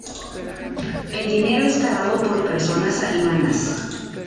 El dinero está dado por personas alemanas.